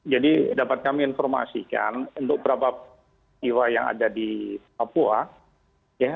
jadi dapat kami informasikan untuk beberapa pihak yang ada di papua